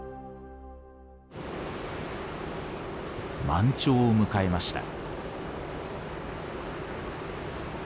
満潮を迎えました。